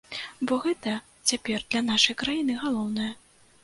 Бо гэта цяпер для нашай краіны галоўнае.